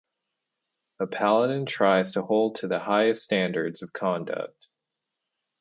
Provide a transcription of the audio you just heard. A paladin tries to hold to the highest standards of conduct.